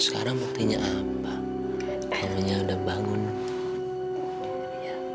sekarang mas tidur ya